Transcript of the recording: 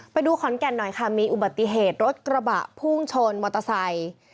ไปดูขอนแก่นหน่อยค่ะมีอุบัติเหตุรถกระบะพุ่งชนมอเตอร์ไซค์